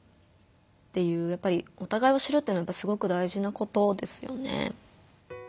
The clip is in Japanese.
やっぱりおたがいを知るっていうのはすごくだいじなことですよね。